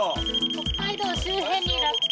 北海道周辺に落下。